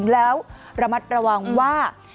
แล้วระมัดระวังว่า